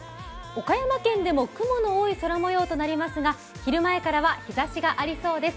岡山県でも雲の多い空もようとなりますが昼前からは日ざしがありそうです。